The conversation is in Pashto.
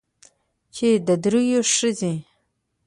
چې د درېو ښځې